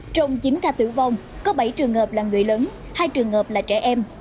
trong chín ca tử vong có bảy trường hợp là người lớn hai trường hợp là trẻ em